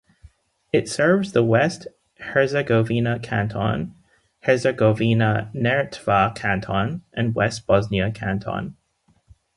It serves the West Herzegovina Canton, Herzegovina-Neretva Canton and West Bosnia Canton.